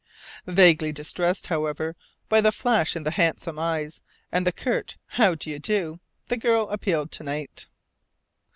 Vaguely distressed, however, by the flash in the handsome eyes, and the curt "How do you do?" the girl appealed to Knight.